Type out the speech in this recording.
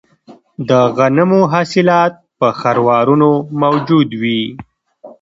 د غنمو حاصلات په خروارونو موجود وي